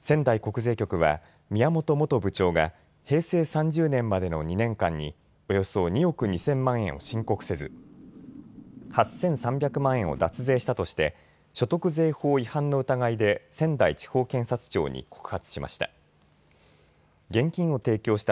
仙台国税局は宮本元部長が平成３０年までの２年間におよそ２億２０００万円を申告せず８３００万円を脱税したとして所得税法違反の疑いで仙台地方検察庁に告発しました。